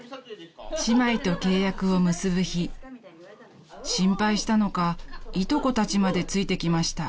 ［姉妹と契約を結ぶ日心配したのかいとこたちまで付いてきました］